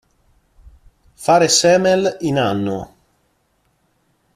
Fare semel in anno.